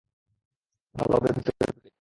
ভালো হবে ভিতরে ঢুকে যাও।